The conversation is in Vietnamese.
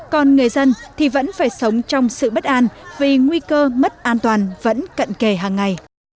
còn người dân thì vẫn phải sống trong sự bất an vì nguy cơ mất an toàn vẫn cận kề hàng ngày